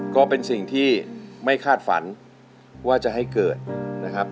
ก็เป็นสิ่งที่ไม่คาดฝันว่าจะให้เกิดนะครับ